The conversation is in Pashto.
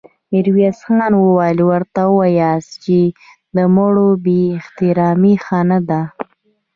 ميرويس خان وويل: ورته وواياست چې د مړو بې احترامې ښه نه ده.